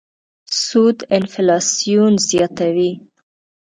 سود انفلاسیون زیاتوي.